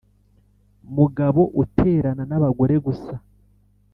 Mugabo uterana n'abagore gusa